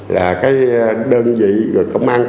là cái đơn vị công an